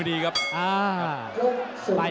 ตอนนี้มันถึง๓